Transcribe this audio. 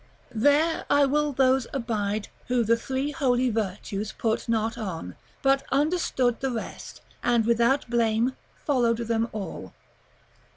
..... "There I with those abide Who the Three Holy Virtues put not on, But understood the rest, and without blame Followed them all."